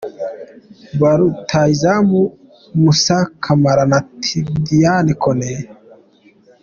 Ba rutahizamu : Moussa Camara na Tidiane Kone.